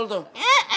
habis tu diupap